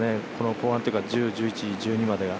後半というか１０、１１、１２までが。